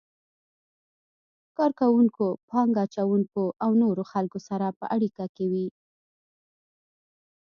کار کوونکو، پانګه اچونکو او نورو خلکو سره په اړیکه کې وي.